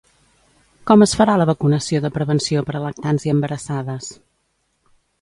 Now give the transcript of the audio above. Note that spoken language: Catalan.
Com es farà la vacunació de prevenció per a lactants i embarassades?